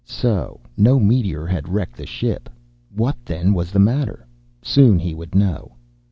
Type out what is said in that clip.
So no meteor had wrecked the ship. What, then, was the matter? Soon he would know.